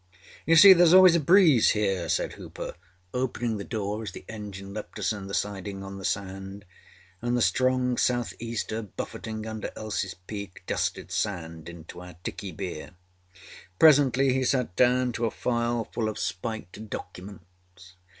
âYou see thereâs always a breeze here,â said Hooper, opening the door as the engine left us in the siding on the sand, and the strong south easter buffeting under Elsieâs Peak dusted sand into our tickey beer. Presently he sat down to a file full of spiked documents.